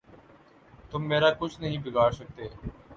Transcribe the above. تم میرا کچھ نہیں بگاڑ سکتے۔